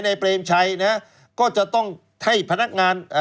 ในเบรมชัยนะฮะก็จะต้องให้พนักงาน